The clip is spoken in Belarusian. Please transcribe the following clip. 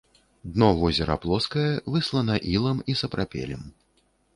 Дно возера плоскае, выслана ілам і сапрапелем.